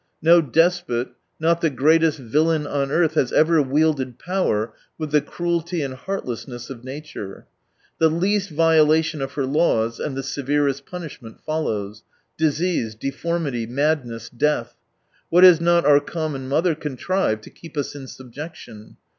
No despot, not the greatest villain on earth, has ever wielded power with the cruelty and heart lessness of nature. The least violation of her laws — and the severest punishment follows. Disease, deformity, madness, death — what has not our common mother con trived to keep us in subjection